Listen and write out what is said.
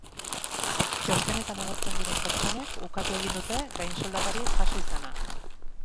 Txostenetan agertzen diren pertsonek ukatu egin dute gainsoldatarik jaso izana.